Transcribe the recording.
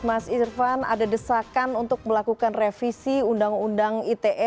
mas irfan ada desakan untuk melakukan revisi undang undang ite